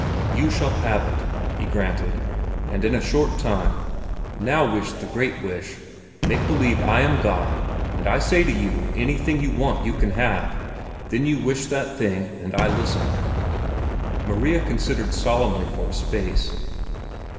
"You shall have it," he granted, "and in a short time. Now wish the great wish. Make believe I am God, and I say to you anything you want you can have. Then you wish that thing, and I listen." Maria considered solemnly for a space.